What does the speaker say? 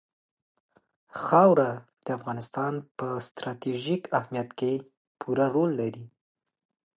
خاوره د افغانستان په ستراتیژیک اهمیت کې پوره رول لري.